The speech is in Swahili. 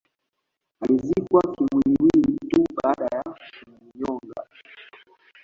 Alizikwa kiwiliwili tuu baada ya kumnyoga